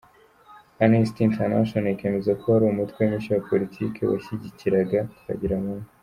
Amnesty International ikemeza ko wari umutwe mushya wa politiki washyigikiraga Twagiramungu.